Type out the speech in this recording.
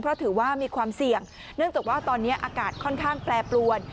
เพราะถือว่ามีความเสี่ยงเนื่องจากว่าตอนนี้อากาศค่อนข้างแปรปรวน